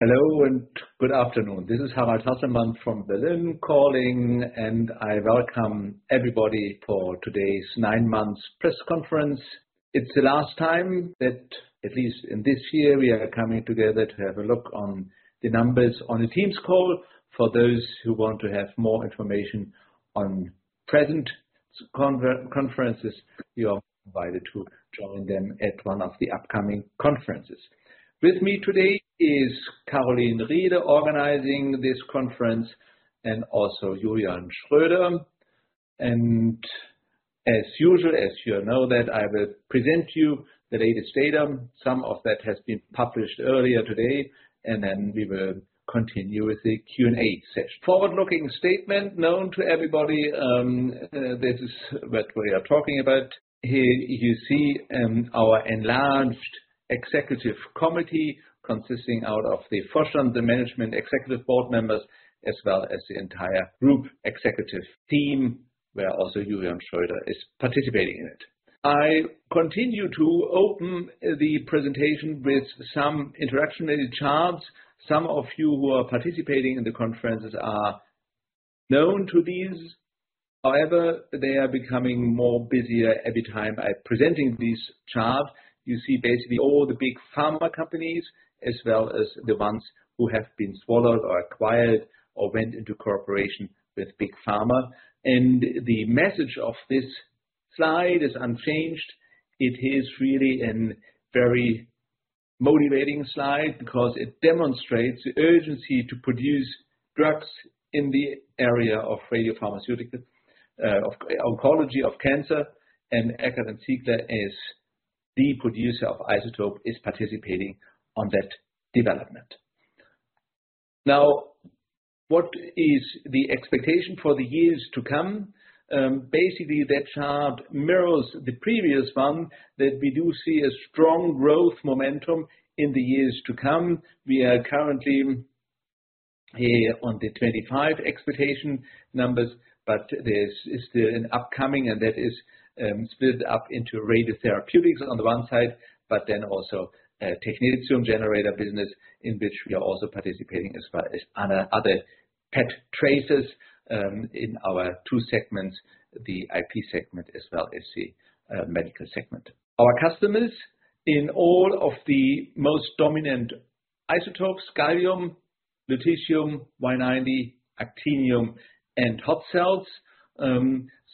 Hello, and good afternoon. This is Harald Hasselmann from Berlin calling, and I welcome everybody for today's nine months press conference. It's the last time that, at least in this year, we are coming together to have a look on the numbers on the teams call. For those who want to have more information on present conferences, you are invited to join them at one of the upcoming conferences. With me today is Caroline Riehle, organizing this conference, and also Julian Schröder. As usual, as you all know, that I will present you the latest data. Some of that has been published earlier today, and then we will continue with the Q&A session. Forward-looking statement known to everybody, this is what we are talking about. Here you see, our enlarged executive committee, consisting out of the, the management executive board members, as well as the entire group executive team, where also Julian Schröder is participating in it. I continue to open the presentation with some introductory charts. Some of you who are participating in the conferences are known to these. However, they are becoming more busier every time. By presenting these charts, you see basically all the big pharma companies, as well as the ones who have been swallowed or acquired, or went into cooperation with big pharma. And the message of this slide is unchanged. It is really an very motivating slide because it demonstrates the urgency to produce drugs in the area of radiopharmaceutical, of oncology, of cancer, and Eckert & Ziegler, as the producer of isotope, is participating on that development. Now, what is the expectation for the years to come? Basically, that chart mirrors the previous one, that we do see a strong growth momentum in the years to come. We are currently here on the 25 expectation numbers, but there's still an upcoming, and that is split up into radiotherapeutics on the one side, but then also a technetium generator business, in which we are also participating, as well as other PET tracers in our two segments, the IP segment, as well as the medical segment. Our customers in all of the most dominant isotopes, gallium, lutetium, Y90, actinium, and hot cells.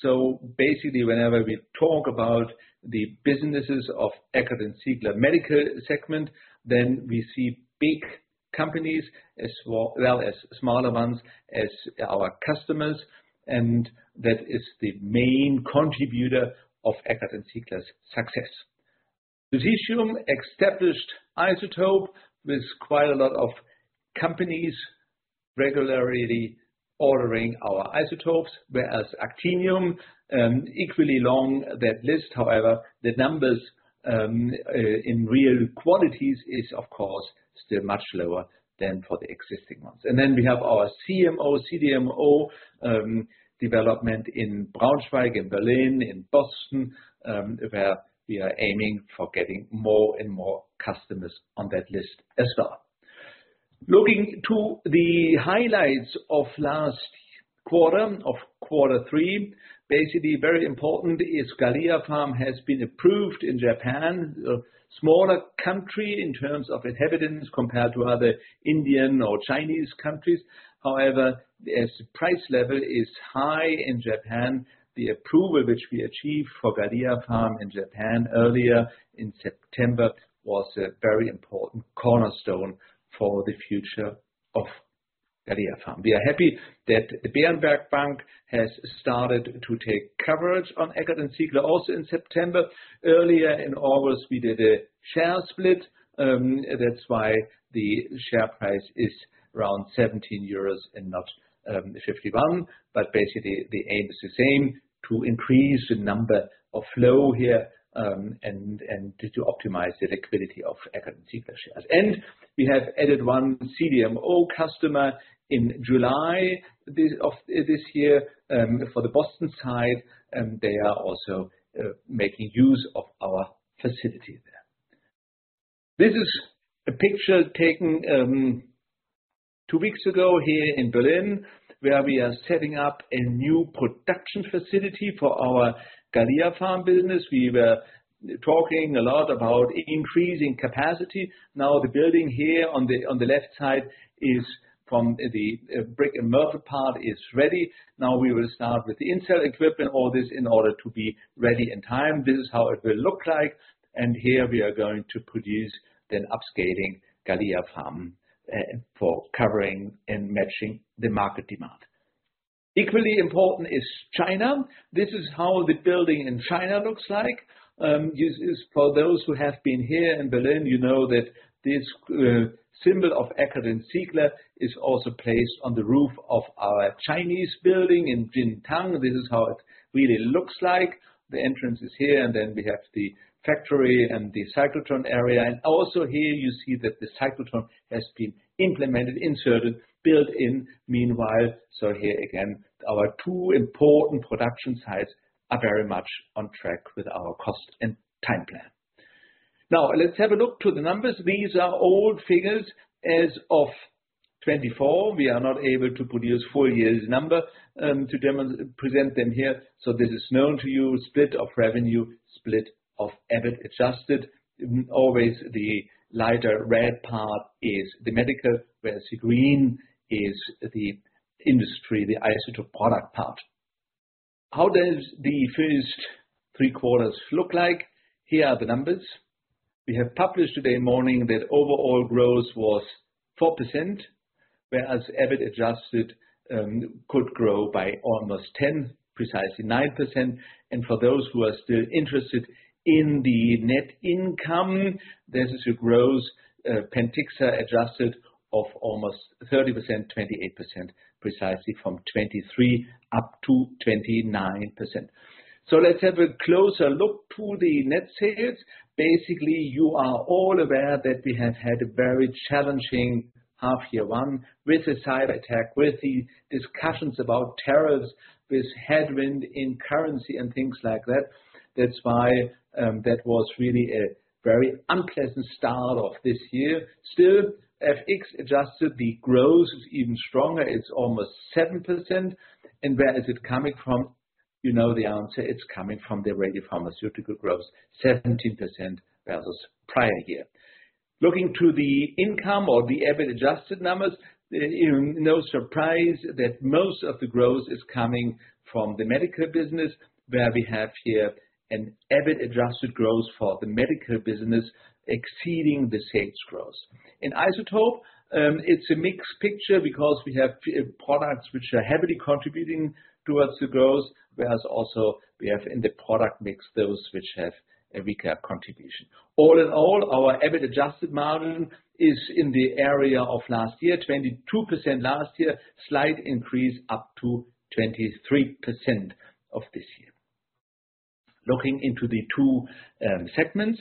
So basically, whenever we talk about the businesses of Eckert & Ziegler medical segment, then we see big companies, as well as smaller ones, as our customers, and that is the main contributor of Eckert & Ziegler's success. Lutetium, established isotope with quite a lot of companies regularly ordering our isotopes, whereas actinium, equally long that list. However, the numbers, in real quantities is, of course, still much lower than for the existing ones. And then we have our CMO, CDMO, development in Braunschweig, in Berlin, in Boston, where we are aiming for getting more and more customers on that list as well. Looking to the highlights of last quarter, of quarter three, basically, very important is GalliaPharm has been approved in Japan, a smaller country in terms of inhabitants, compared to other Indian or Chinese countries. However, as the price level is high in Japan, the approval which we achieved for GalliaPharm in Japan earlier in September, was a very important cornerstone for the future of GalliaPharm. We are happy that the Berenberg Bank has started to take coverage on Eckert & Ziegler, also in September. Earlier in August, we did a share split. That's why the share price is around 17 euros and not 51. But basically, the aim is the same, to increase the number of flow here, and to optimize the liquidity of Eckert & Ziegler shares. And we have added one CDMO customer in July this year, for the Boston side, and they are also making use of our facility there. This is a picture taken two weeks ago here in Berlin, where we are setting up a new production facility for our GalliaPharm business. We were talking a lot about increasing capacity. Now, the building here on the left side is from the brick and mortar part, is ready. Now we will start with the inside equipment, all this, in order to be ready in time. This is how it will look like, and here we are going to produce the upscaling GalliaPharm, for covering and matching the market demand. Equally important is China. This is how the building in China looks like. This is for those who have been here in Berlin, you know that this, symbol of Eckert & Ziegler is also placed on the roof of our Chinese building in Jintan. This is how it really looks like. The entrance is here, and then we have the factory and the cyclotron area. And also here you see that the cyclotron has been implemented, inserted, built in meanwhile. So here again, our two important production sites are very much on track with our cost and time plan. Now, let's have a look to the numbers. These are old figures as of 2024. We are not able to produce full year's number to present them here, so this is known to you, split of revenue, split of EBIT adjusted. Always, the lighter red part is the medical, whereas the green is the industry, the isotope product part. How does the first three quarters look like? Here are the numbers. We have published today morning that overall growth was 4%, whereas EBIT adjusted could grow by almost 10, precisely 9%. And for those who are still interested in the net income, this is a growth Pentixa adjusted of almost 30%, 28%, precisely from 23 up to 29%. So let's have a closer look to the net sales. Basically, you are all aware that we have had a very challenging half year one with the cyberattack, with the discussions about tariffs, with headwind in currency and things like that. That's why that was really a very unpleasant start of this year. Still, FX adjusted, the growth is even stronger. It's almost 7%, and where is it coming from? You know the answer. It's coming from the radiopharmaceutical growth, 17% versus prior year. Looking to the income or the EBIT adjusted numbers, no surprise that most of the growth is coming from the medical business, where we have here an EBIT adjusted growth for the medical business exceeding the sales growth. In isotope, it's a mixed picture because we have products which are heavily contributing towards the growth, whereas also we have in the product mix, those which have a weaker contribution. All in all, our EBIT adjusted margin is in the area of last year, 22% last year, slight increase up to 23% of this year. Looking into the two segments,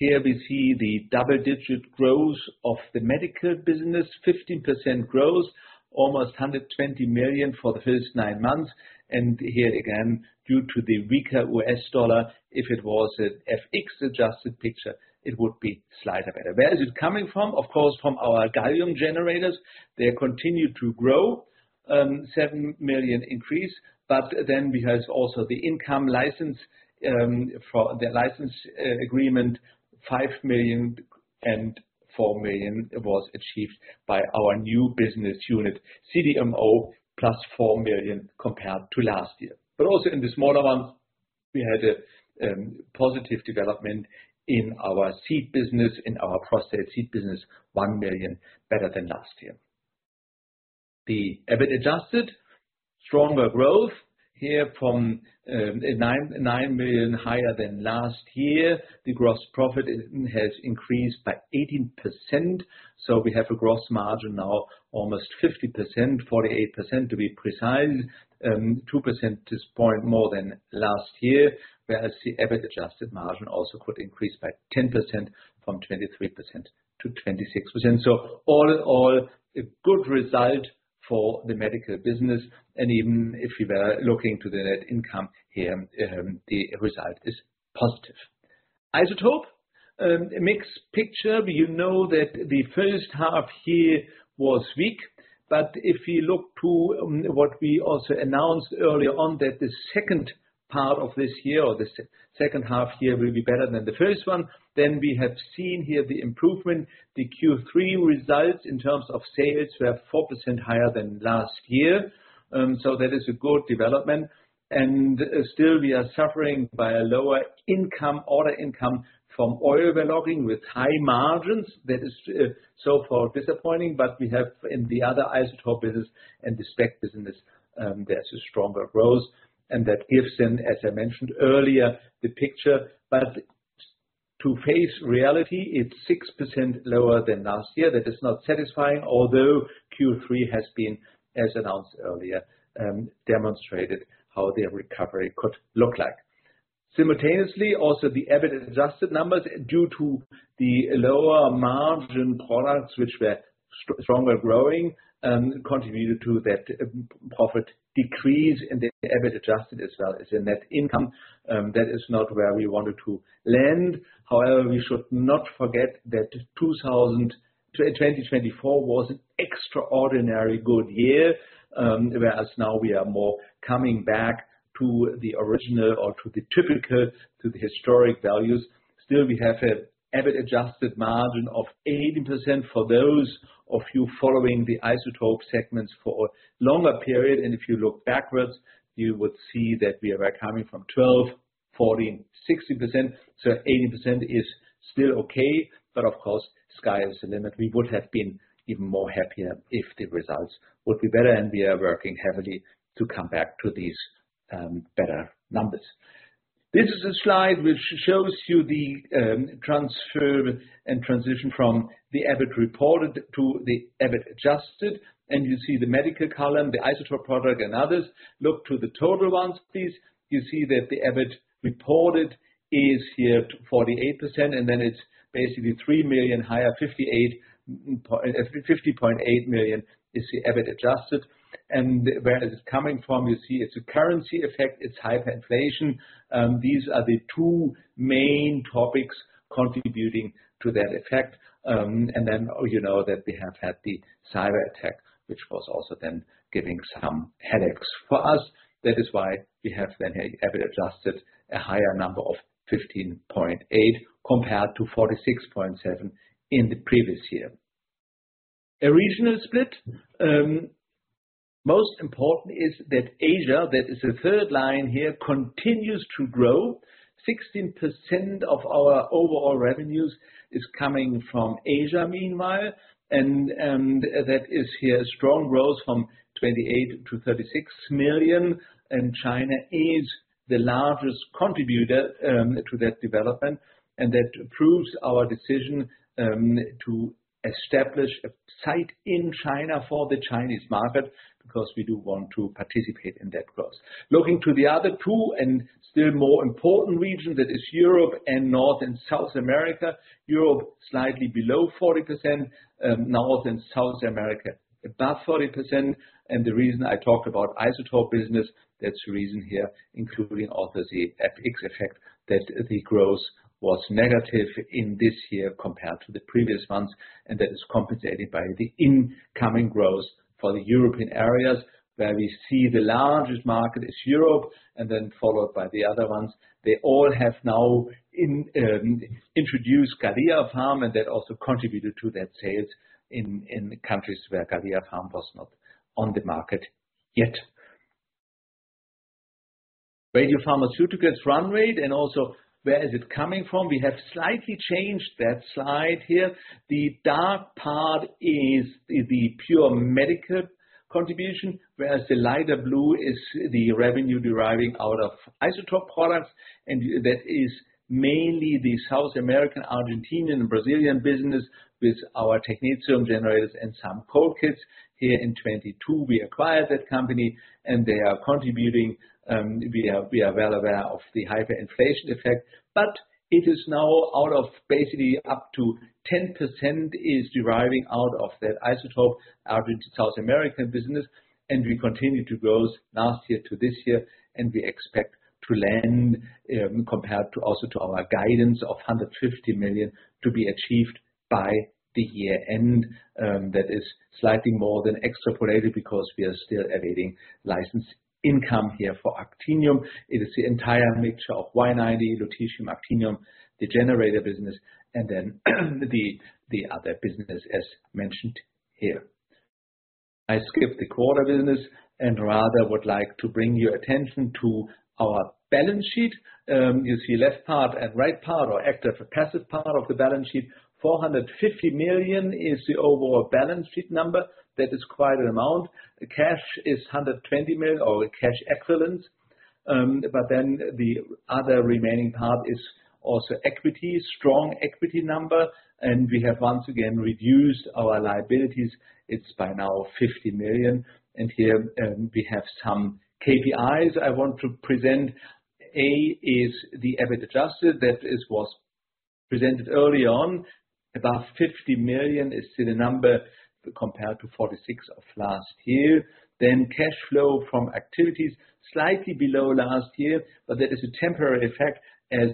here we see the double digit growth of the medical business. 15% growth, almost 120 million for the first nine months, and here again, due to the weaker US dollar, if it was a FX adjusted picture, it would be slightly better. Where is it coming from? Of course, from our gallium generators. They continue to grow, 7 million increase, but then we have also the income license, for the license agreement, 5 million, and 4 million was achieved by our new business unit, CDMO, +4 million compared to last year. But also in the smaller ones, we had a positive development in our seed business, in our prostate seed business, 1 million better than last year. The EBIT adjusted, stronger growth here from 9 million higher than last year. The gross profit has increased by 18%, so we have a gross margin now almost 50%, 48%, to be precise, 2 percentage points more than last year, whereas the EBIT adjusted margin also could increase by 10% from 23% to 26%. So all in all, a good result for the medical business, and even if you were looking to the net income here, the result is positive. Isotopes, a mixed picture. You know that the first half year was weak, but if you look to what we also announced earlier on, that the second part of this year or the second half year will be better than the first one, then we have seen here the improvement. The Q3 results in terms of sales were 4% higher than last year, so that is a good development. And still we are suffering by a lower income, order income from oil logging with high margins. That is so far disappointing, but we have in the other isotope business and the SPECT business, there's a stronger growth, and that gives them, as I mentioned earlier, the picture. But to face reality, it's 6% lower than last year. That is not satisfying, although Q3 has been, as announced earlier, demonstrated how their recovery could look like. Simultaneously, also, the EBIT adjusted numbers, due to the lower margin products which were stronger growing, contributed to that profit decrease and the EBIT adjusted as well as the net income, that is not where we wanted to land. However, we should not forget that 2024 was an extraordinary good year, whereas now we are more coming back to the original or to the typical, to the historic values. Still we have a EBIT adjusted margin of 80%. For those of you following the isotope segments for a longer period, and if you look backwards, you would see that we are coming from 12%, 14%, 60%, so 80% is still okay. But of course, sky is the limit. We would have been even more happier if the results would be better, and we are working heavily to come back to these better numbers. This is a slide which shows you the transfer and transition from the EBIT reported to the EBIT adjusted, and you see the medical column, the isotope product and others. Look to the total ones, please. You see that the EBIT reported is here 48%, and then it's basically 3 million higher, 50.8 million is the EBIT adjusted. And where is it coming from? You see it's a currency effect, it's hyperinflation, these are the two main topics contributing to that effect. And then you know that we have had the cyberattack, which was also then giving some headaches for us. That is why we have then a EBIT adjusted, a higher number of 15.8, compared to 46.7 in the previous year. The regional split, most important is that Asia, that is the third line here, continues to grow. 16% of our overall revenues is coming from Asia meanwhile, and, and, that is here a strong growth from 28 million-36 million, and China is the largest contributor, to that development. And that proves our decision, to establish a site in China for the Chinese market, because we do want to participate in that growth. Looking to the other two, and still more important region, that is Europe and North and South America. Europe, slightly below 40%, North and South America, about 40%. The reason I talk about isotope business, that's the reason here, including also the FX effect, that the growth was negative in this year compared to the previous months, and that is compensated by the incoming growth for the European areas, where we see the largest market is Europe, and then followed by the other ones. They all have now introduced GalliaPharm, and that also contributed to that sales in countries where GalliaPharm was not on the market yet. Radiopharmaceuticals run rate, and also where is it coming from? We have slightly changed that slide here. The dark part is the pure medical contribution, whereas the lighter blue is the revenue deriving out of isotope products, and that is mainly the South American, Argentinian, and Brazilian business with our technetium generators and some cold kits. Here in 2022, we acquired that company, and they are contributing, we are, we are well aware of the hyperinflation effect. But it is now out of basically up to 10% is deriving out of that isotope out into South American business, and we continue to grow last year to this year, and we expect to land, compared to also to our guidance of 150 million to be achieved by the year end. That is slightly more than extrapolated, because we are still awaiting license income here for actinium. It is the entire mixture of Y90, lutetium, actinium, the generator business, and then, the, the other business as mentioned here. I skip the quarter business, and rather would like to bring your attention to our balance sheet. You see left part and right part, or active and passive part of the balance sheet. 450 million is the overall balance sheet number. That is quite an amount. The cash is 120 million or the cash equivalents, but then the other remaining part is also equity, strong equity number, and we have once again reduced our liabilities. It's by now 50 million, and here, we have some KPIs I want to present. EBIT adjusted, that is, was presented early on. About 50 million is still a number compared to 46 of last year. Then cash flow from activities, slightly below last year, but that is a temporary effect as,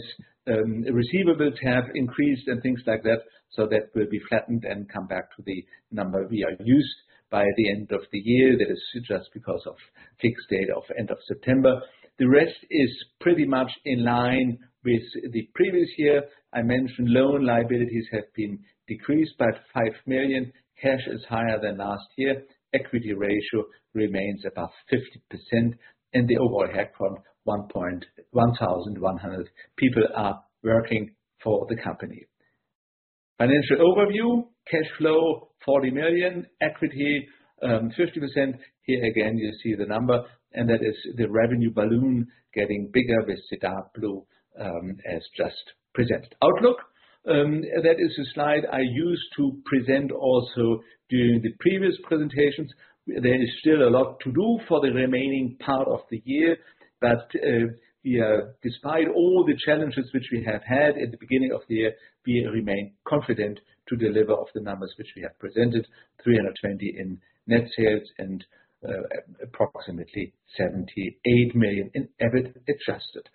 receivables have increased and things like that, so that will be flattened and come back to the number we are used to by the end of the year. That is just because of fixed date of end of September. The rest is pretty much in line with the previous year. I mentioned loan liabilities have been decreased by 5 million, cash is higher than last year, equity ratio remains above 50%, and the overall headcount, 1,100 people are working for the company. Financial overview, cash flow, 40 million, equity, 50%. Here again, you see the number, and that is the revenue balloon getting bigger with the dark blue, as just presented. Outlook, that is a slide I used to present also during the previous presentations. There is still a lot to do for the remaining part of the year, but, we are despite all the challenges which we have had at the beginning of the year, we remain confident to deliver of the numbers which we have presented, 320 million in net sales and, approximately 78 million in EBIT adjusted.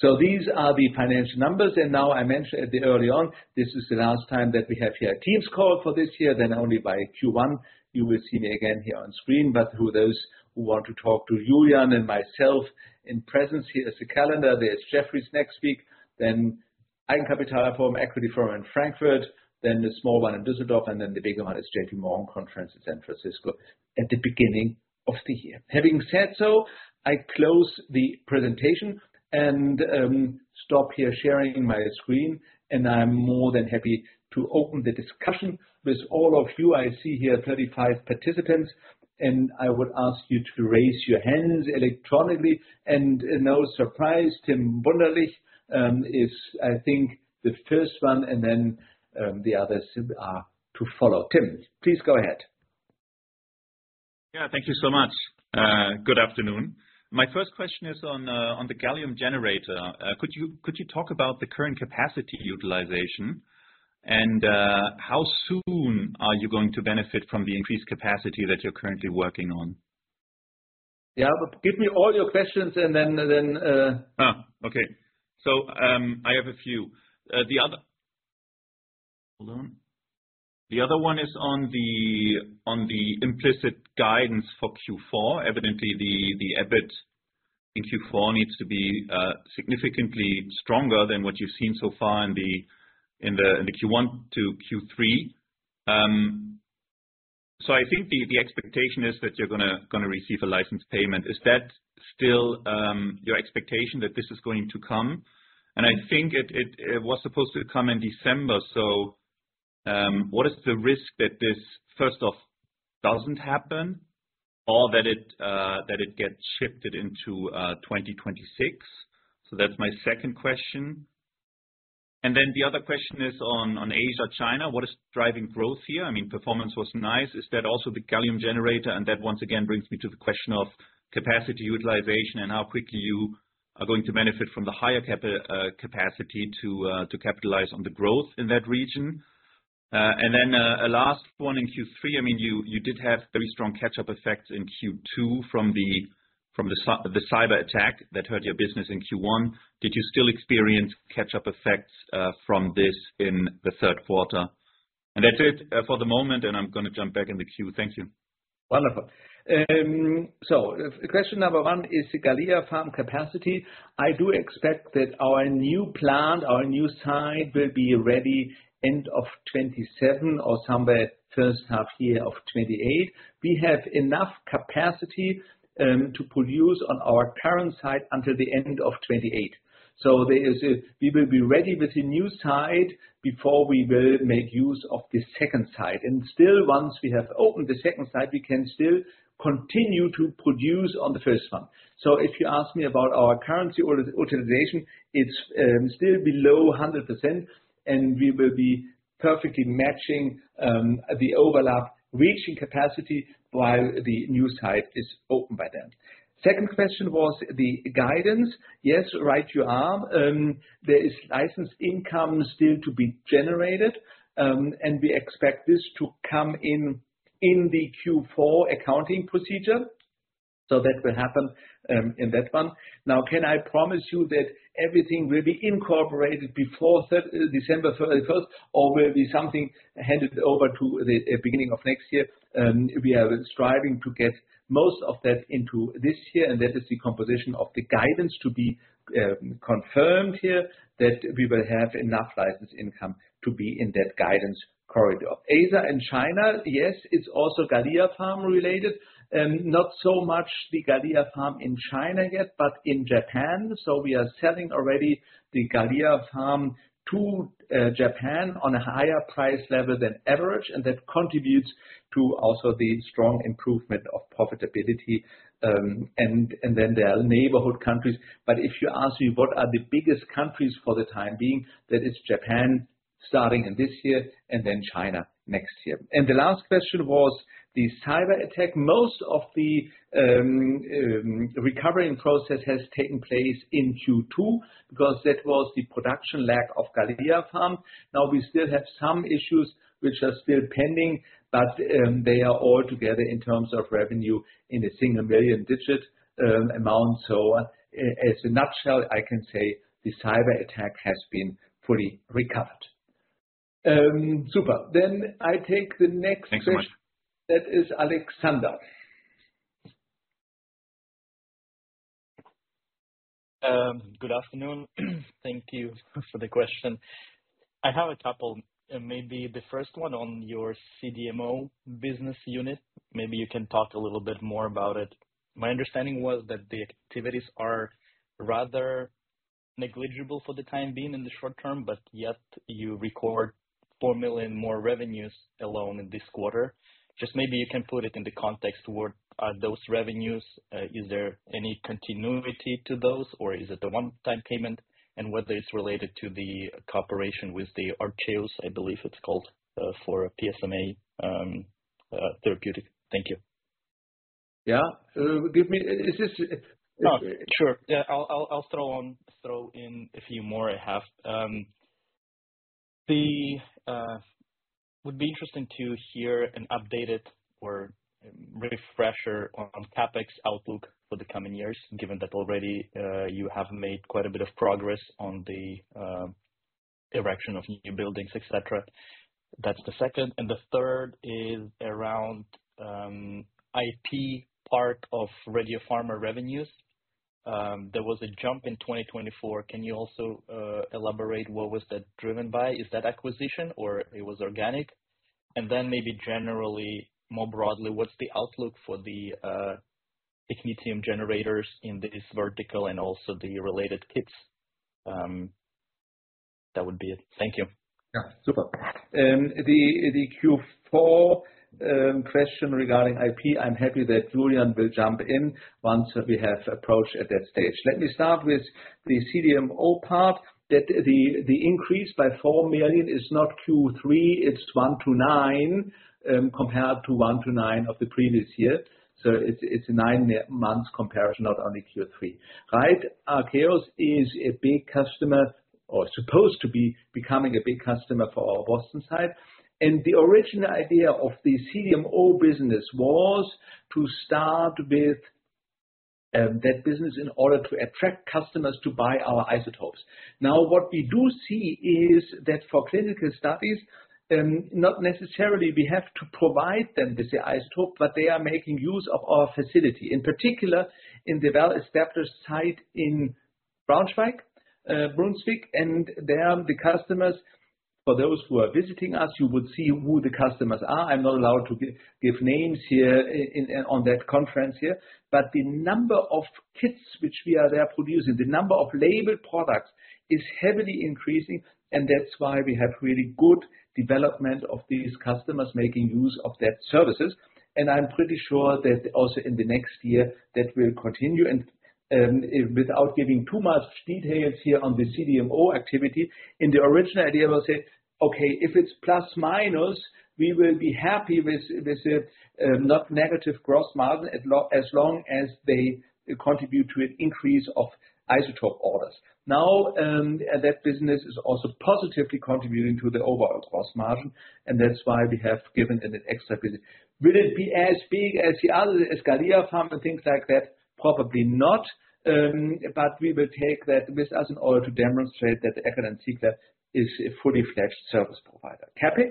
So these are the financial numbers, and now I mentioned it early on, this is the last time that we have here a Teams call for this year, then only by Q1, you will see me again here on screen. But for those who want to talk to Julian and myself in presence, here is the calendar. There is Jefferies next week, then Eigenkapitalforum, equity forum in Frankfurt, then a small one in Düsseldorf, and then the bigger one is JP Morgan conference in San Francisco at the beginning of the year. Having said so, I close the presentation and stop here sharing my screen, and I'm more than happy to open the discussion with all of you. I see here 35 participants, and I would ask you to raise your hands electronically. And no surprise, Tim Wunderlich is, I think, the first one, and then the others to follow. Tim, please go ahead.... Yeah, thank you so much. Good afternoon. My first question is on the gallium generator. Could you talk about the current capacity utilization, and how soon are you going to benefit from the increased capacity that you're currently working on? Yeah, give me all your questions, and then, Ah, okay. So, I have a few. The other one is on the implicit guidance for Q4. Evidently, the EBIT in Q4 needs to be significantly stronger than what you've seen so far in the Q1 to Q3. So I think the expectation is that you're gonna receive a license payment. Is that still your expectation, that this is going to come? And I think it was supposed to come in December, so what is the risk that this, first off, doesn't happen, or that it gets shifted into 2026? So that's my second question. And then the other question is on Asia, China. What is driving growth here? I mean, performance was nice. Is that also the gallium generator? And that, once again, brings me to the question of capacity utilization and how quickly you are going to benefit from the higher capacity to capitalize on the growth in that region. And then, a last one in Q3, I mean, you did have very strong catch-up effect in Q2 from the cyberattack that hurt your business in Q1. Did you still experience catch-up effects from this in the third quarter? And that's it for the moment, and I'm gonna jump back in the queue. Thank you. Wonderful. So question number one is the GalliaPharm capacity. I do expect that our new plant, our new site, will be ready end of 2027 or somewhere first half year of 2028. We have enough capacity to produce on our current site until the end of 2028. So there is we will be ready with a new site before we will make use of the second site, and still, once we have opened the second site, we can still continue to produce on the first one. So if you ask me about our current utilization, it's still below 100%, and we will be perfectly matching the overlap, reaching capacity while the new site is open by then. Second question was the guidance. Yes, right you are. There is licensed income still to be generated, and we expect this to come in in the Q4 accounting procedure, so that will happen in that one. Now, can I promise you that everything will be incorporated before December 31st, or will be something handed over to the beginning of next year? We are striving to get most of that into this year, and that is the composition of the guidance to be confirmed here, that we will have enough licensed income to be in that guidance corridor. Asia and China, yes, it's also GalliaPharm related, not so much the GalliaPharm in China yet, but in Japan. So we are selling already the GalliaPharm to Japan on a higher price level than average, and that contributes to also the strong improvement of profitability. And then there are neighborhood countries. But if you ask me, what are the biggest countries for the time being, that is Japan, starting in this year, and then China next year. And the last question was the cyberattack. Most of the recovering process has taken place in Q2, because that was the production lack of GalliaPharm. Now we still have some issues which are still pending, but they are all together in terms of revenue in a single million digit EUR amount. So as a nutshell, I can say the cyberattack has been fully recovered. Super. Then I take the next question- Thanks so much. That is Alexander. Good afternoon. Thank you for the question. I have a couple. Maybe the first one on your CDMO business unit, maybe you can talk a little bit more about it. My understanding was that the activities are rather negligible for the time being in the short term, but yet you record 4 million more revenues alone in this quarter. Just maybe you can put it in the context, where are those revenues? Is there any continuity to those, or is it a one-time payment? And whether it's related to the cooperation with the Ariceum, I believe it's called, for PSMA, therapeutic. Thank you. Yeah. Give me... Is this- Oh, sure. Yeah, I'll throw in a few more I have. It would be interesting to hear an updated or refresher on CapEx outlook for the coming years, given that already you have made quite a bit of progress on the erection of new buildings, et cetera. That's the second, and the third is around IP part of radiopharma revenues. There was a jump in 2024. Can you also elaborate what was that driven by? Is that acquisition or it was organic? And then maybe generally, more broadly, what's the outlook for the technetium generators in this vertical and also the related kits?... That would be it. Thank you. Yeah, super. The Q4 question regarding IP, I'm happy that Julian will jump in once we have approached at that stage. Let me start with the CDMO part, that the increase by 4 million is not Q3, it's one to nine compared to one to nine of the previous year. So it's a nine months comparison, not only Q3, right? Ariceum is a big customer or supposed to be becoming a big customer for our Boston site. And the original idea of the CDMO business was to start with that business in order to attract customers to buy our isotopes. Now, what we do see is that for clinical studies, not necessarily we have to provide them with the isotope, but they are making use of our facility, in particular in the site in Braunschweig, Brunswick, and they are the customers. For those who are visiting us, you would see who the customers are. I'm not allowed to give names here in on that conference here. But the number of kits which we are there producing, the number of labeled products, is heavily increasing, and that's why we have really good development of these customers making use of that services. I'm pretty sure that also in the next year, that will continue. Without giving too much details here on the CDMO activity, in the original idea, we'll say, "Okay, if it's plus minus, we will be happy with, with the, not negative gross margin, as long as they contribute to an increase of isotope orders." Now, that business is also positively contributing to the overall gross margin, and that's why we have given them an extra business. Will it be as big as the other, as GalliaPharm and things like that? Probably not. But we will take that with us in order to demonstrate that Eckert & Ziegler is a fully fledged service provider. CapEx,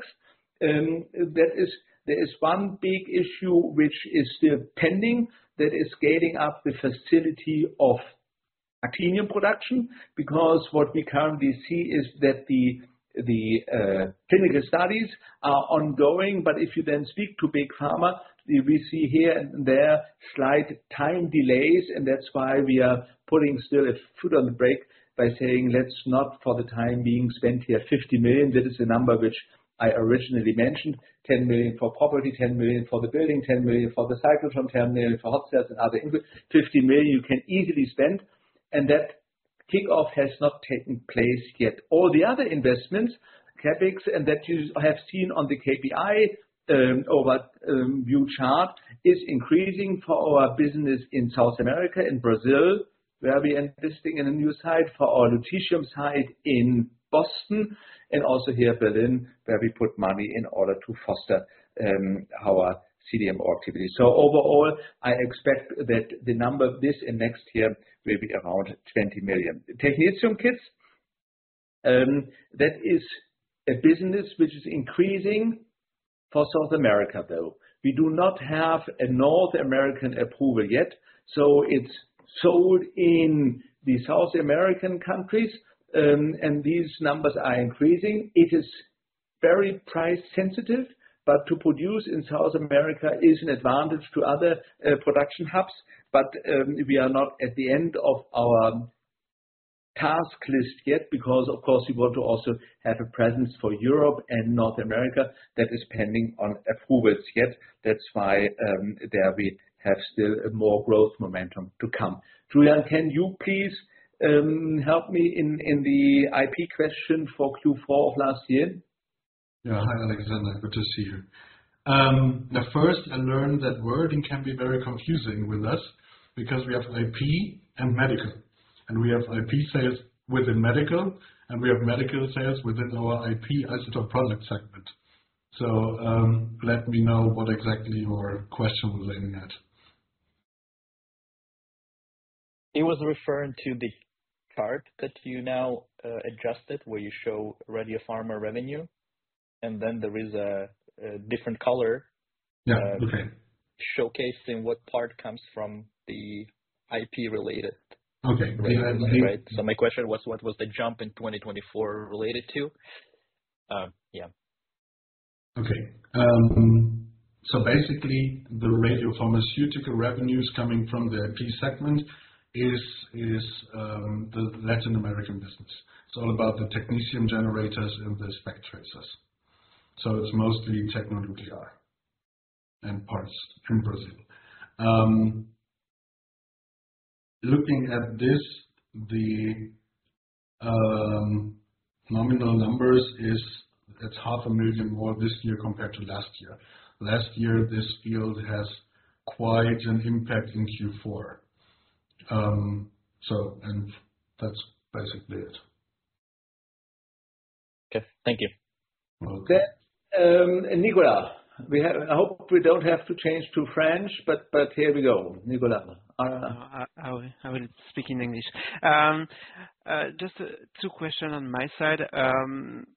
there is one big issue which is still pending, that is scaling up the facility of actinium production. Because what we currently see is that the clinical studies are ongoing, but if you then speak to big pharma, we see here and there slight time delays, and that's why we are putting still a foot on the brake by saying, "Let's not, for the time being, spend here 50 million." This is the number which I originally mentioned, 10 million for property, 10 million for the building, 10 million for the cyclotron, 10 million for hot cells and other input. 50 million you can easily spend, and that kickoff has not taken place yet. All the other investments, CapEx, and that you have seen on the KPI, or that view chart, is increasing for our business in South America and Brazil, where we are investing in a new site for our lutetium site in Boston, and also here, Berlin, where we put money in order to foster our CDMO activity. So overall, I expect that the number this and next year will be around 20 million. The technetium kits, that is a business which is increasing for South America, though. We do not have a North American approval yet, so it's sold in the South American countries, and these numbers are increasing. It is very price sensitive, but to produce in South America is an advantage to other production hubs. But, we are not at the end of our task list yet, because, of course, we want to also have a presence for Europe and North America. That is pending on approvals yet. That's why, there we have still more growth momentum to come. Julian, can you please, help me in the IP question for Q4 of last year? Yeah. Hi, Alexander. Good to see you. First, I learned that wording can be very confusing with us because we have IP and medical, and we have IP sales within medical, and we have medical sales within our IP isotope product segment. So, let me know what exactly your question was aiming at. It was referring to the part that you now adjusted, where you show radiopharma revenue, and then there is a different color- Yeah. Okay. - showcasing what part comes from the IP-related. Okay. Right. So my question was, what was the jump in 2024 related to? Okay. So basically, the radiopharmaceutical revenues coming from the IP segment is the Latin American business. It's all about the technetium generators and the SPECT tracers. So it's mostly Tecnonuclear and parts in Brazil. Looking at this, the nominal numbers is, it's 500,000 more this year compared to last year. Last year, this field has quite an impact in Q4. And that's basically it. Okay. Thank you. Okay. Nicola, I hope we don't have to change to French, but here we go. Nicola... I will speak in English. Just two question on my side.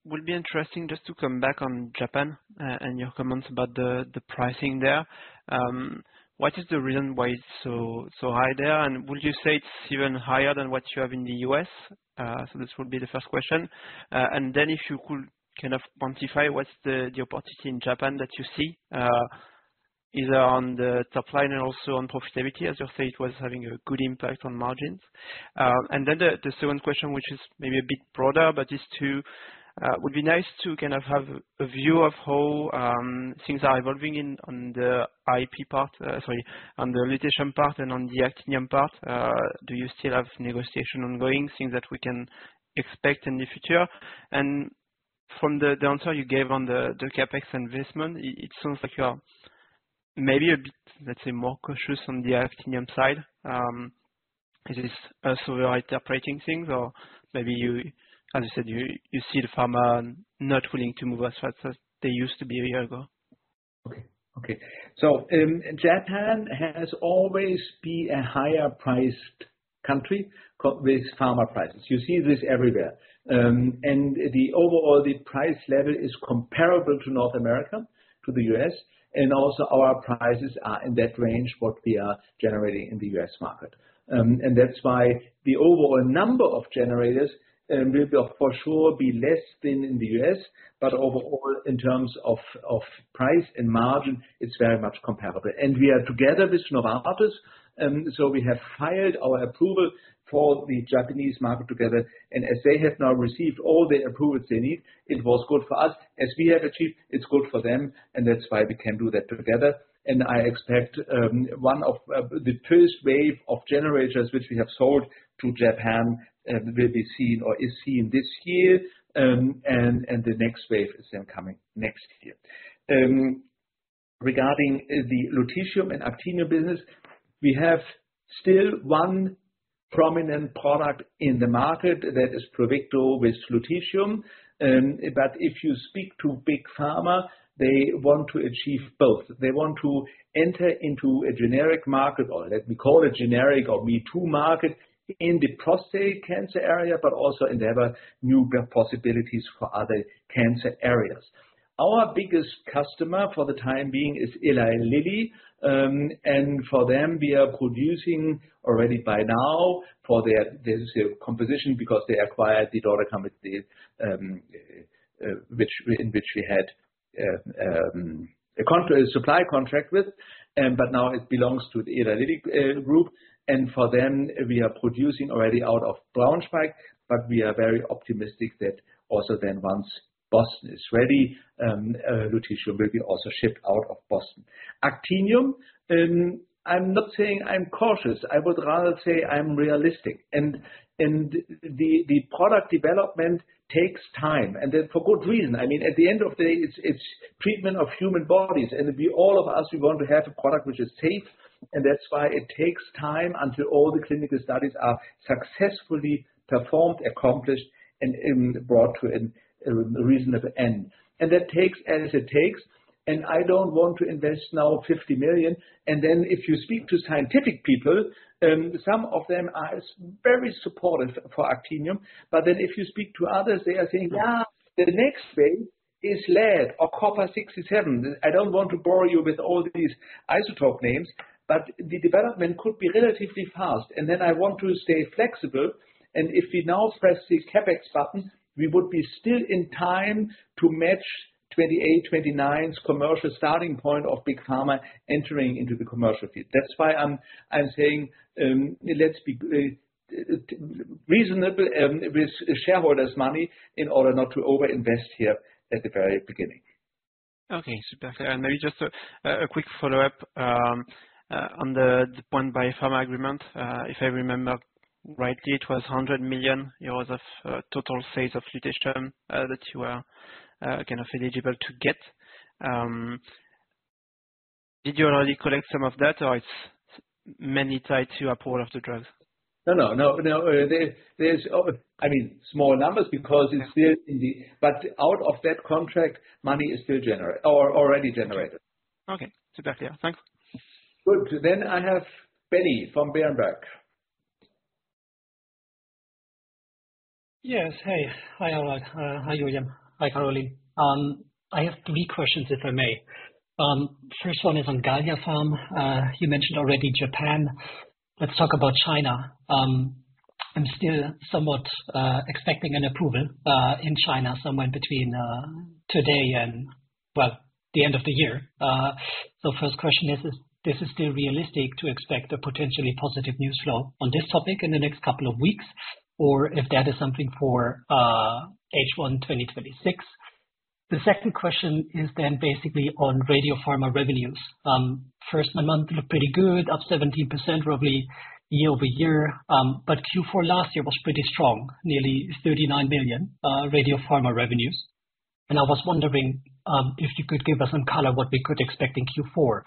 Would be interesting just to come back on Japan, and your comments about the pricing there. What is the reason why it's so high there, and would you say it's even higher than what you have in the U.S.? So this would be the first question. And then if you could kind of quantify what's the opportunity in Japan that you see, either on the top line and also on profitability, as you say, it was having a good impact on margins. And then the second question, which is maybe a bit broader, but would be nice to kind of have a view of how things are evolving on the IP part, sorry, on the lutetium part and on the actinium part. Do you still have negotiation ongoing, things that we can expect in the future? And from the answer you gave on the CapEx investment, it sounds like you are maybe a bit, let's say, more cautious on the actinium side. Is this also the right interpreting things, or maybe you, as you said, you see the pharma not willing to move as fast as they used to be a year ago? Okay. Okay, so, Japan has always been a higher priced country with pharma prices. You see this everywhere. And the overall, the price level is comparable to North America, to the U.S., and also our prices are in that range, what we are generating in the U.S. market. And that's why the overall number of generators will for sure be less than in the U.S., but overall, in terms of price and margin, it's very much comparable. And we are together with Novartis, so we have filed our approval for the Japanese market together, and as they have now received all the approvals they need, it was good for us. As we have achieved, it's good for them, and that's why we can do that together. I expect one of the first wave of generators which we have sold to Japan will be seen or is seen this year. And the next wave is then coming next year. Regarding the lutetium and actinium business, we have still one prominent product in the market that is Pluvicto with lutetium. But if you speak to big pharma, they want to achieve both. They want to enter into a generic market, or let me call it generic or me-too market, in the prostate cancer area, but also endeavor new possibilities for other cancer areas. Our biggest customer for the time being is Eli Lilly. And for them, we are producing already by now for their this composition, because they acquired the daughter company, in which we had a contract, a supply contract with, but now it belongs to the Eli Lilly group. And for them, we are producing already out of Braunschweig, but we are very optimistic that also then once Boston is ready, lutetium will be also shipped out of Boston. Actinium, I'm not saying I'm cautious. I would rather say I'm realistic, and the product development takes time, and then for good reason. I mean, at the end of the day, it's treatment of human bodies, and we, all of us, want to have a product which is safe, and that's why it takes time until all the clinical studies are successfully performed, accomplished, and brought to a reasonable end. And that takes as it takes, and I don't want to invest now 50 million. And then if you speak to scientific people, some of them are very supportive for actinium, but then if you speak to others, they are saying, "Ah, the next thing is lead or copper 67." I don't want to bore you with all these isotope names, but the development could be relatively fast. And then I want to stay flexible, and if we now press the CapEx button, we would be still in time to match 2028, 2029's commercial starting point of big pharma entering into the commercial field. That's why I'm saying, let's be reasonable with shareholders' money in order not to overinvest here at the very beginning. Okay, super. Maybe just a quick follow-up on the supply pharma agreement. If I remember rightly, it was 100 million euros of total sales of lutetium that you are kind of eligible to get. Did you already collect some of that, or it's mainly tied to approval of the drugs? No, no, no, there, there's, I mean, small numbers because it's still in the... But out of that contract, money is still generated or already generated. Okay, super clear. Thanks. Good. I have Benny from Berenberg. Yes. Hey. Hi, Harald. Hi, Julian. Hi, Caroline. I have three questions, if I may. First one is on GalliaPharm. You mentioned already Japan. Let's talk about China. I'm still somewhat expecting an approval in China, somewhere between today and, well, the end of the year. So first question is, is this still realistic to expect a potentially positive news flow on this topic in the next couple of weeks, or if that is something for H1 2026? The second question is then basically on radiopharma revenues. First nine months looked pretty good, up 17% roughly year-over-year, but Q4 last year was pretty strong, nearly 39 million radiopharma revenues. And I was wondering if you could give us some color, what we could expect in Q4.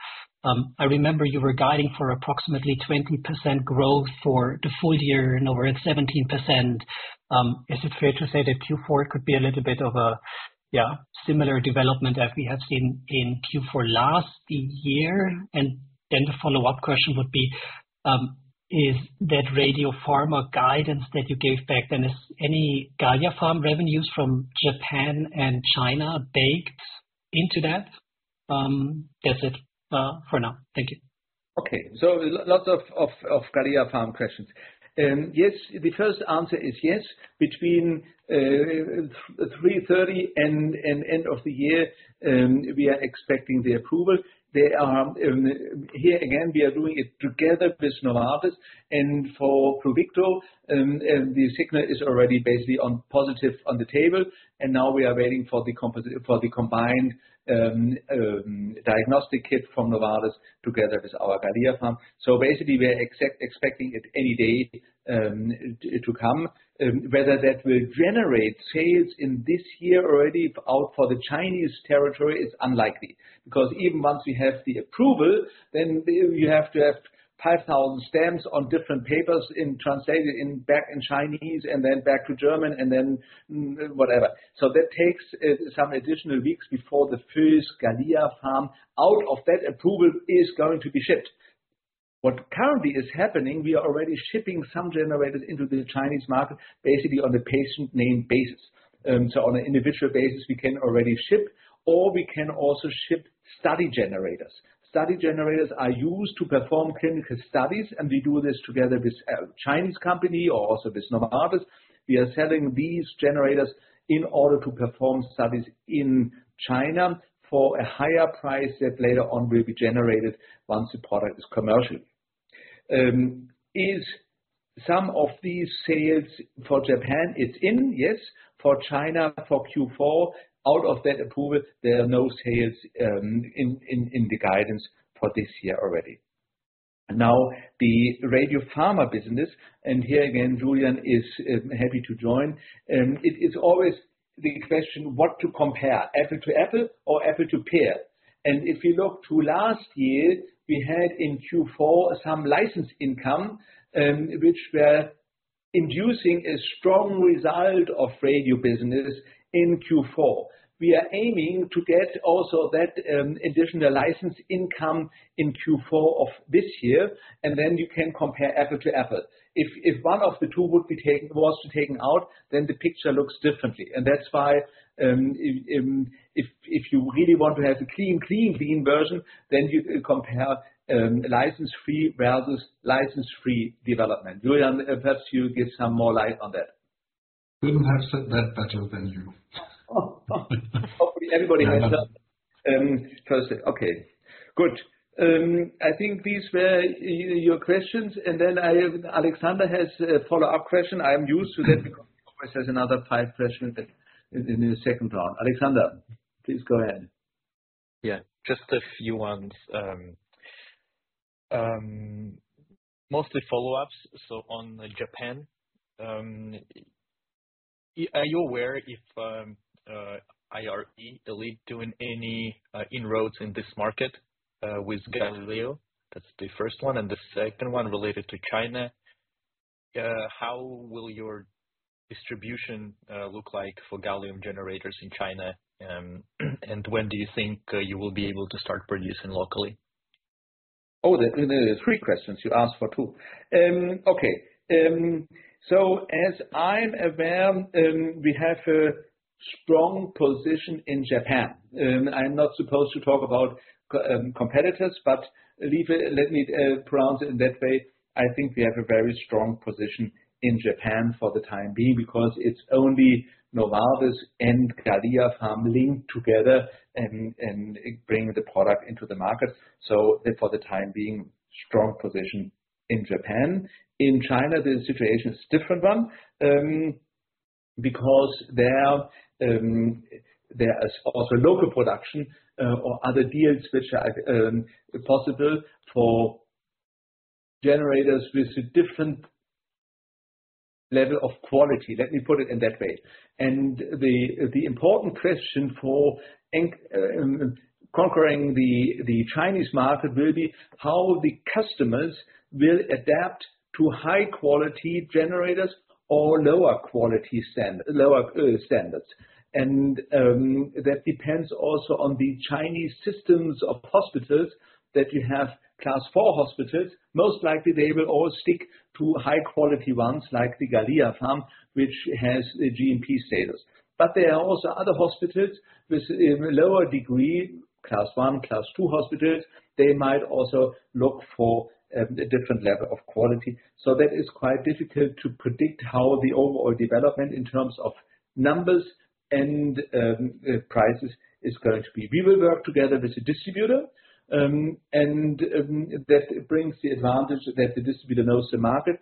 I remember you were guiding for approximately 20% growth for the full year, and now we're at 17%. Is it fair to say that Q4 could be a little bit of a, yeah, similar development as we have seen in Q4 last year? And then the follow-up question would be: Is that radiopharma guidance that you gave back then, is any GalliaPharm revenues from Japan and China baked into that? That's it, for now. Thank you.... Okay, so lots of GalliaPharm questions. Yes, the first answer is yes, between 3:30 and end of the year, we are expecting the approval. There are, here again, we are doing it together with Novartis, and for Pluvicto, the signal is already basically on positive on the table, and now we are waiting for the combined diagnostic kit from Novartis together with our GalliaPharm. So basically, we are expecting it any day, it to come. Whether that will generate sales in this year already out for the Chinese territory is unlikely, because even once we have the approval, then we have to have 5,000 stamps on different papers and translated in back in Chinese and then back to German and then, whatever. So that takes some additional weeks before the first GalliaPharm out of that approval is going to be shipped. What currently is happening, we are already shipping some generators into the Chinese market, basically on a patient name basis. So on an individual basis, we can already ship, or we can also ship study generators. Study generators are used to perform clinical studies, and we do this together with a Chinese company or also with Novartis. We are selling these generators in order to perform studies in China for a higher price that later on will be generated once the product is commercial. Is some of these sales for Japan? It's in, yes, for China, for Q4. Out of that approval, there are no sales in the guidance for this year already. Now, the radiopharma business, and here again, Julian is happy to join. It is always the question, what to compare, apple to apple or apple to pear? And if you look to last year, we had in Q4 some license income, which were inducing a strong result of radio business in Q4. We are aiming to get also that additional license income in Q4 of this year, and then you can compare apple to apple. If, if one of the two would be taken- was taken out, then the picture looks differently. And that's why, if you really want to have a clean, clean, clean version, then you compare license-free versus license-free development. Julian, perhaps you give some more light on that. Couldn't have said that better than you. Hopefully everybody has that, perfect. Okay, good. I think these were your questions, and then Alexander has a follow-up question. I am used to that because he always has another five questions that in the second round. Alexander, please go ahead. Yeah, just a few ones. Mostly follow-ups, so on Japan, are you aware if IRE ELiT doing any inroads in this market with Galileo? That's the first one. And the second one related to China, how will your distribution look like for gallium generators in China? And when do you think you will be able to start producing locally? Oh, there are three questions, you asked for two. Okay. So as I'm aware, we have a strong position in Japan. I'm not supposed to talk about c- competitors, but leave it - let me pronounce it in that way. I think we have a very strong position in Japan for the time being, because it's only Novartis and GalliaPharm linked together and bring the product into the market. So for the time being, strong position in Japan. In China, the situation is a different one, because there, there is also local production, or other deals which are possible for generators with a different level of quality. Let me put it in that way. The important question for conquering the Chinese market will be how the customers will adapt to high quality generators or lower quality standards. That depends also on the Chinese systems of hospitals, that you have Class four hospitals. Most likely, they will all stick to high quality ones like the GalliaPharm, which has a GMP status. But there are also other hospitals with lower degree, Class one, Class two hospitals. They might also look for a different level of quality. So that is quite difficult to predict how the overall development in terms of numbers and prices is going to be. We will work together with a distributor, and that brings the advantage that the distributor knows the market.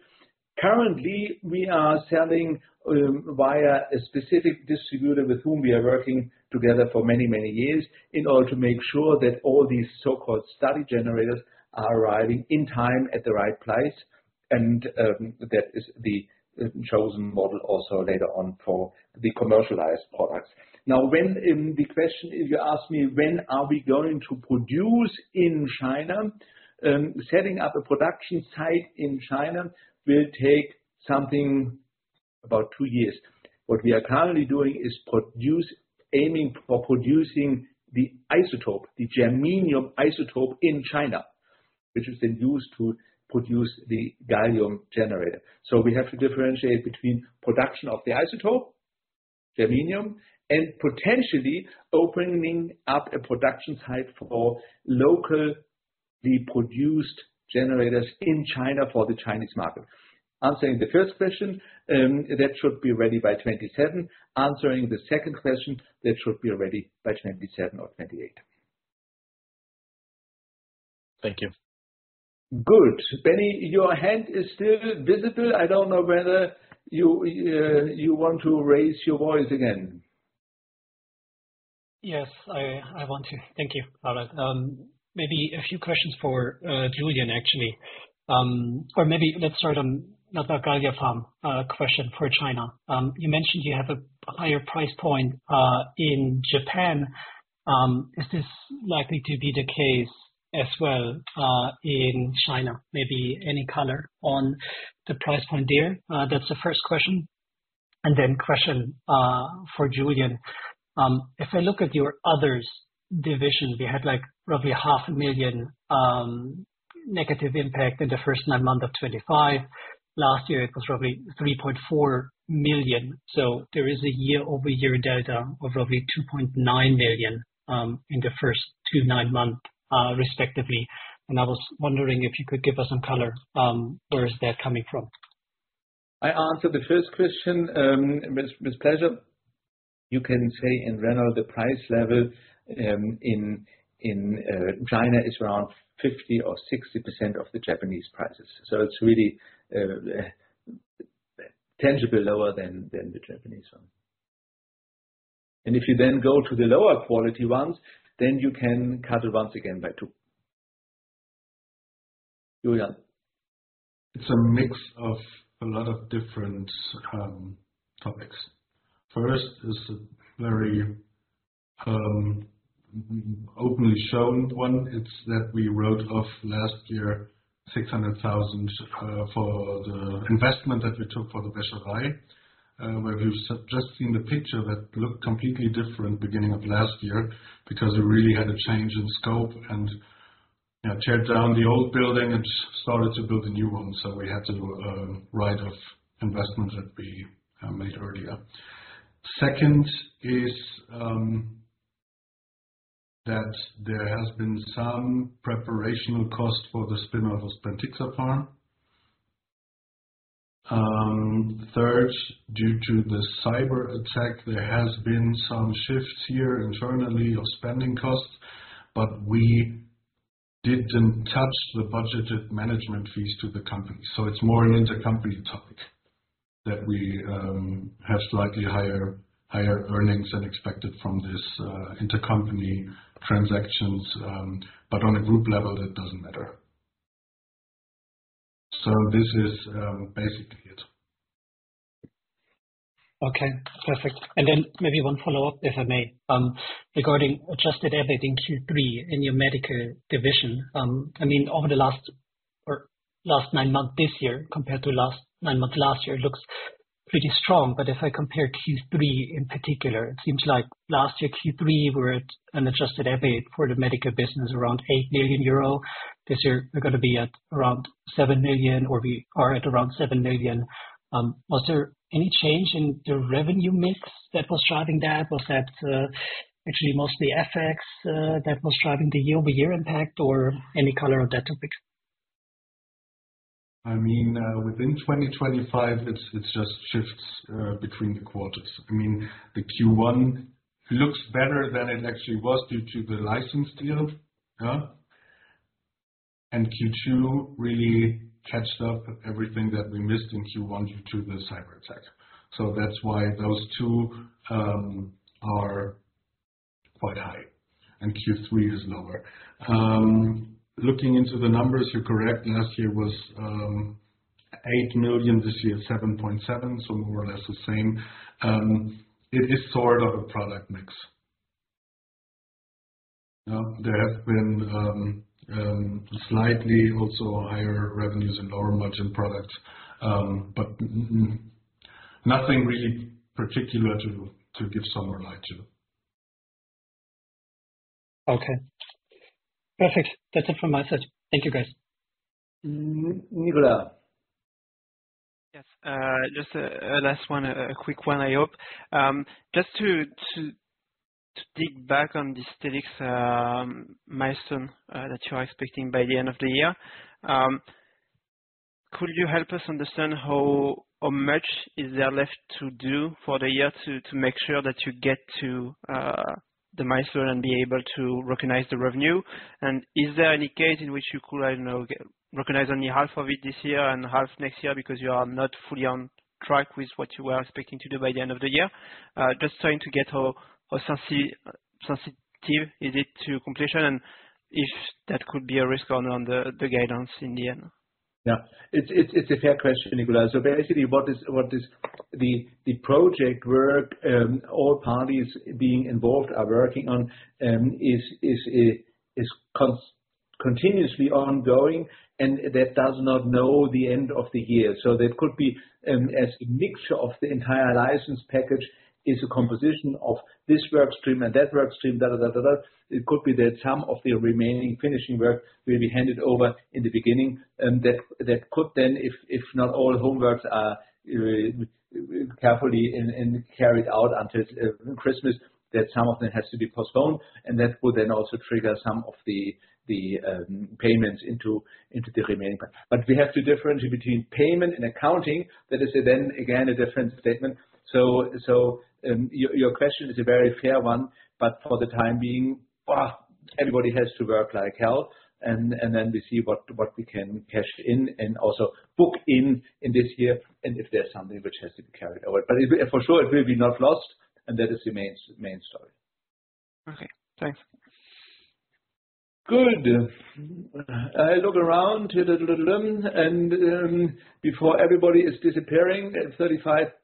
Currently, we are selling via a specific distributor with whom we are working together for many, many years, in order to make sure that all these so-called study generators are arriving in time at the right place, and that is the chosen model also later on for the commercialized products. Now, when the question is, you ask me, when are we going to produce in China? Setting up a production site in China will take something about 2 years. What we are currently doing is aiming for producing the isotope, the germanium isotope, in China, which is then used to produce the gallium generator. So we have to differentiate between production of the isotope, germanium, and potentially opening up a production site for locally produced generators in China for the Chinese market. Answering the first question, that should be ready by 2027. Answering the second question, that should be ready by 2027 or 2028. Thank you. Good. Benny, your hand is still visible. I don't know whether you want to raise your voice again. Yes, I want to. Thank you, Harald. Maybe a few questions for Julian, actually. Or maybe let's start on, not the GalliaPharm, a question for China. You mentioned you have a higher price point in Japan. Is this likely to be the case as well in China? Maybe any color on the price point there? That's the first question. And then question for Julian. If I look at your other divisions, we had, like, roughly 0.5 million negative impact in the first nine months of 2025. Last year, it was probably 3.4 million. So there is a year-over-year delta of roughly 2.9 million in the first nine months, respectively. And I was wondering if you could give us some color, where is that coming from? I answer the first question with pleasure. You can say in general, the price level in China is around 50%-60% of the Japanese prices. So it's really tangible lower than the Japanese one. And if you then go to the lower quality ones, then you can cut it once again by two. Julian? It's a mix of a lot of different topics. First is a very openly shown one. It's that we wrote off last year 600,000 for the investment that we took. But you've just seen the picture that looked completely different beginning of last year, because we really had a change in scope and, you know, tore down the old building and started to build a new one. So we had to do a write-off investment that we made earlier. Second is that there has been some preparatory cost for the spin-off of Pentixapharm. Third, due to the cyberattack, there has been some shifts here internally of spending costs, but we didn't touch the budgeted management fees to the company. So it's more an intercompany topic that we have slightly higher, higher earnings than expected from this intercompany transactions. But on a group level, that doesn't matter. So this is basically it. Okay, perfect. And then maybe one follow-up, if I may. Regarding adjusted EBIT in Q3 in your medical division. I mean, over the last or last 9 months this year, compared to last 9 months last year, it looks pretty strong. But if I compare Q3 in particular, it seems like last year, Q3, we're at an adjusted EBIT for the medical business, around 8 million euro. This year, we're gonna be at around 7 million, or we are at around 7 million. Was there any change in the revenue mix that was driving that? Was that, actually mostly FX, that was driving the year-over-year impact, or any color on that topic? I mean, within 2025, it's just shifts between the quarters. I mean, the Q1 looks better than it actually was due to the license deal, and Q2 really caught up everything that we missed in Q1 due to the cyberattack. So that's why those two are quite high and Q3 is lower. Looking into the numbers, you're correct. Last year was 8 million, this year, 7.7 million, so more or less the same. It is sort of a product mix. There have been slightly also higher revenues and lower margin products, but nothing really particular to give some more light to. Okay. Perfect. That's it from my side. Thank you, guys. Nicola? Yes, just a last one, a quick one, I hope. Just to dig back on the statistics milestone that you are expecting by the end of the year. Could you help us understand how much is there left to do for the year to make sure that you get to the milestone and be able to recognize the revenue? And is there any case in which you could, I don't know, recognize only half of it this year and half next year because you are not fully on track with what you are expecting to do by the end of the year? Just trying to get how sensitive is it to completion, and if that could be a risk on the guidance in the end. Yeah. It's a fair question, Nicola. So basically, what is the project work all parties being involved are working on is continuously ongoing, and that does not know the end of the year. So there could be as a mixture of the entire license package is a composition of this work stream and that work stream, da, da, da, da, da. It could be that some of the remaining finishing work will be handed over in the beginning, that could then, if not all homeworks are carefully and carried out until Christmas, that some of it has to be postponed, and that would then also trigger some of the payments into the remaining part. But we have to differentiate between payment and accounting. That is then again a different statement. Your question is a very fair one, but for the time being, everybody has to work like hell, and then we see what we can cash in and also book in this year, and if there's something which has to be carried over. But it, for sure, will be not lost, and that is the main story. Okay, thanks. Good. I look around, and before everybody is disappearing, at 35 participants,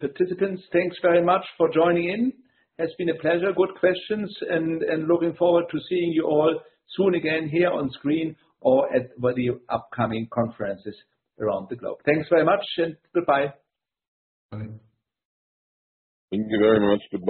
thanks very much for joining in. It's been a pleasure, good questions, and looking forward to seeing you all soon again, here on screen or at one of the upcoming conferences around the globe. Thanks very much, and goodbye. Bye. Thank you very much. Goodbye.